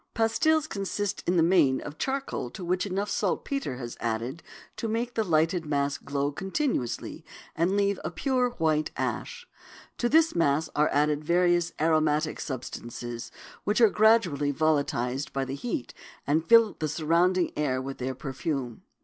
Pastils consist in the main of charcoal to which enough saltpetre is added to make the lighted mass glow continuously and leave a pure white ash. To this mass are added various aromatic substances which are gradually volatilized by the heat and fill the surrounding air with their perfume.